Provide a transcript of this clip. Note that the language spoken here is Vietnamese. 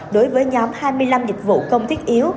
đối với nhóm hai mươi năm dịch vụ công thiết yếu